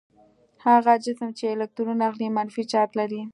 هغه جسم چې الکترون اخلي منفي چارج لري.